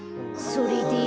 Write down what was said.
それで？